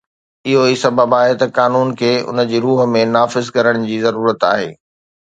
اهو ئي سبب آهي ته قانون کي ان جي روح ۾ نافذ ڪرڻ جي ضرورت آهي